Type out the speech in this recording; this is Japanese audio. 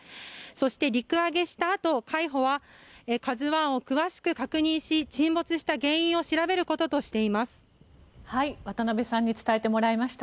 そして、陸揚げしたあと海保は「ＫＡＺＵ１」を詳しく確認し、沈没した原因を調べることとしています。